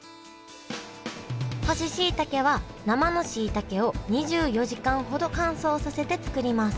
干ししいたけは生のしいたけを２４時間ほど乾燥させて作ります